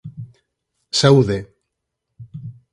_Saúde.